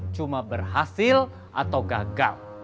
cuma berhasil atau gagal